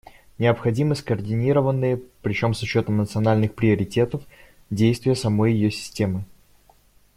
Необходимы скоординированные, причем с учетом национальных приоритетов, действия самой ее системы.